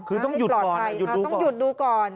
คือต้องหยุดดูก่อน